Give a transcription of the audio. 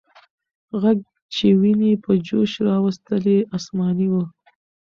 ږغ چې ويني په جوش راوستلې، آسماني و.